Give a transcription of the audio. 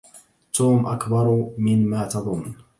توم اكبر من ما تظن